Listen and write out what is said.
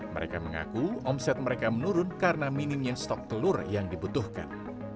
mereka mengaku omset mereka menurun karena minimnya stok telur yang dibutuhkan